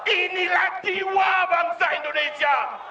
inilah jiwa bangsa indonesia